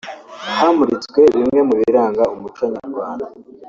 hamuritswe bimwe mu biranga umuco nyarwanda